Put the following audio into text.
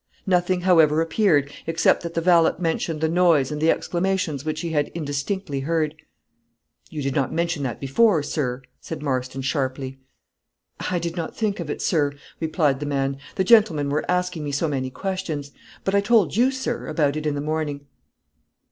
Nothing, however, appeared, except that the valet mentioned the noise and the exclamations which he had indistinctly heard. "You did not mention that before, sir," said Marston, sharply. "I did not think of it, sir," replied the man, "the gentlemen were asking me so many questions; but I told you, sir, about it in the morning."